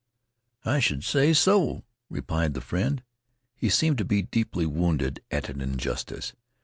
"I should say so," replied the friend. He seemed to be deeply wounded at an injustice.